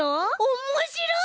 おもしろい！